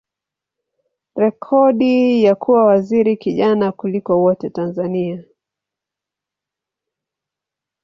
rekodi ya kuwa waziri kijana kuliko wote Tanzania.